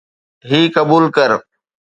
هي قبول ڪر.